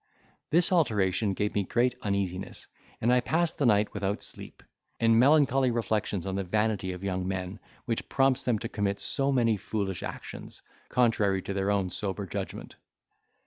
This alteration gave me great uneasiness; and I passed the night without sleep, in melancholy reflections on the vanity of young men, which prompts them to commit so many foolish actions, contrary to their own sober judgment.